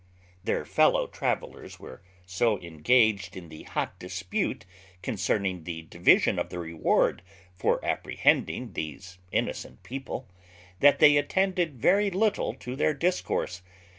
_ Their fellow travellers were so engaged in the hot dispute concerning the division of the reward for apprehending these innocent people, that they attended very little to their discourse.